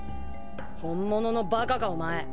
本物のバカかお前。